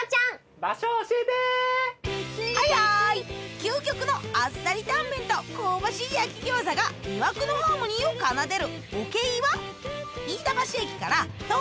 究極のあっさりタンメンと香ばしい焼き餃子が魅惑のハーモニーを奏でる